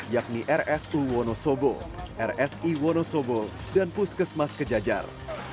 yakni rsu wonosobo rsi wonosobo dan puskesmas kejajar